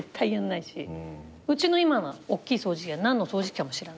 うちの今のおっきい掃除機が何の掃除機かも知らない。